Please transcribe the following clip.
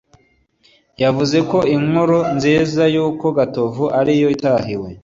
yavuze ko inkuru nziza y’uko gatovu ari yo itahiwe